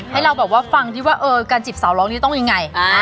ให้เราแบบว่าฟังที่ว่าการจิบสาวร้องนี้ต้องยังไง